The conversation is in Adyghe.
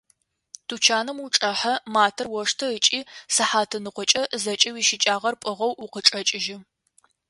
Тучаным учӏэхьэ, матэр оштэ ыкӏи сыхьатныкъокӏэ зэкӏэ уищыкӏагъэр пӏыгъэу укъычӏэкӏыжьы.